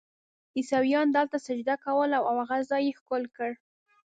عیسویانو دلته سجده کوله او هغه ځای یې ښکل کړ.